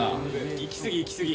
いきすぎいきすぎ。